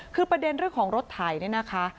คือประเด็นเรื่องของรถไถเนี่ยนะคะ